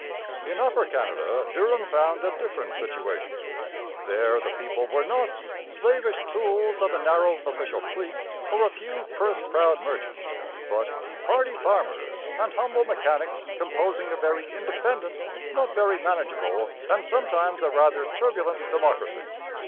In Upper Canada Durham found a different situation. There the people were not 'slavish tools of a narrow official clique or a few purse proud merchants,' but 'hardy farmers and humble mechanics composing a very independent, not very manageable, and sometimes a rather turbulent democracy.'